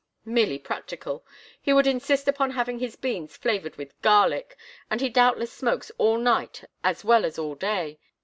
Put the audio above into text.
"Merely practical. He would insist upon having his beans flavored with garlic, and he doubtless smokes all night as well as all day.